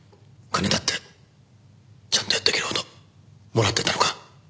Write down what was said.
金だってちゃんとやっていけるほどもらってたのか？